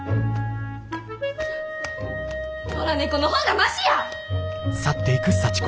野良猫の方がマシや！